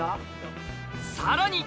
さらに！